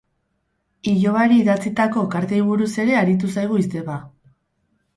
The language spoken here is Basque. Ilobari idatzitako kartei buruz ere aritu zaigu izeba.